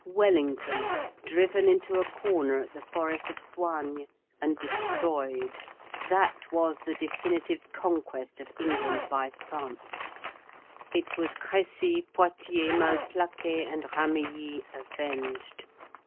Wellington, driven into a corner at the forest of Soignes and destroyed—that was the definitive conquest of England by France; it was Crécy, Poitiers, Malplaquet, and Ramillies avenged.